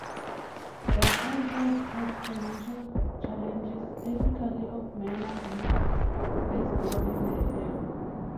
The franchise had financial challenges typical of minor league baseball in the era.